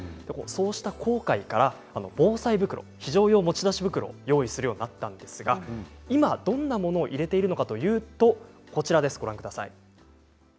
そうした後悔から防災袋非常用持ち出し袋を用意するようになったんですが今どんなものを入れているのかというとこちらです。